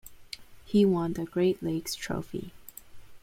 He won the Great Lakes Trophy.